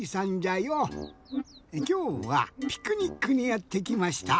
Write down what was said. きょうはピクニックにやってきました。